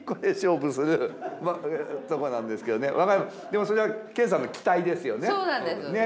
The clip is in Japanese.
でもそれは研さんの期待ですよね？